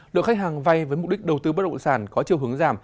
lượng khách hàng vay với mục đích đầu tư bất động sản có chiều hướng giảm